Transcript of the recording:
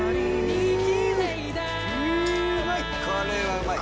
うまい！